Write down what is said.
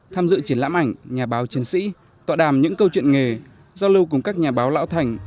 tham dự triển lãm ảnh nhà báo chiến sĩ tọa đàm những câu chuyện nghề giao lưu cùng các nhà báo lão thành